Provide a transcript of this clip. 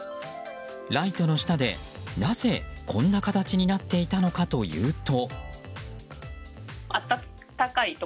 ライトの下でなぜこんな形になっていたのかというと。